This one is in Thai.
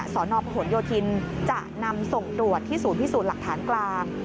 สนพหนโยธินจะนำส่งตรวจที่ศูนย์พิสูจน์หลักฐานกลาง